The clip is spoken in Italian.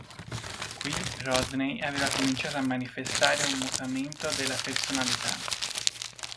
Qui Rodney aveva cominciato a manifestare un mutamento della personalità.